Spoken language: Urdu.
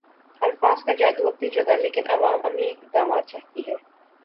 الفاظ کا جادو اپنی جگہ لیکن عوام عملی اقدامات چاہتی ہے